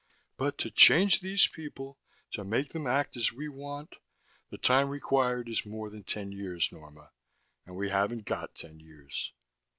But to change these people, to make them act as we want the time required is more than ten years, Norma. And we haven't got ten years."